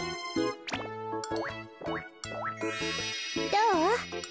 どう？